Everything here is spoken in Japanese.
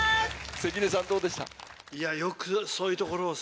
関根さんどうでした？